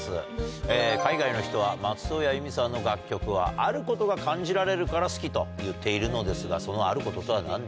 海外の人は松任谷由実さんの楽曲はあることが感じられるから好きと言っているのですがその。